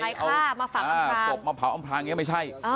ใครฆ่ามาฝังอำพลางอ่าศพมาเผาอำพลางอย่างนี้ไม่ใช่